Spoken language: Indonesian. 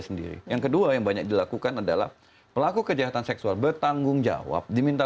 sendiri yang kedua yang banyak dilakukan adalah pelaku kejahatan seksual bertanggung jawab diminta